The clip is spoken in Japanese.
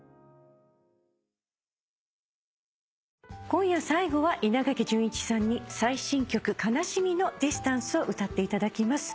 今夜最後は稲垣潤一さんに最新曲『哀しみのディスタンス』を歌っていただきます。